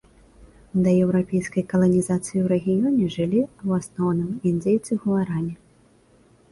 Да еўрапейскай каланізацыі ў рэгіёне жылі ў асноўным індзейцы гуарані.